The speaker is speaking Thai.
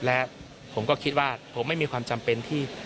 และผมก็คิดว่าผมไม่มีความจำเป็นที่